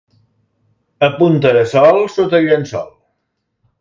A punta de sol, sota el llençol.